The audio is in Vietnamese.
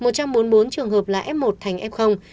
một trăm bốn mươi bốn trường hợp là f một thành f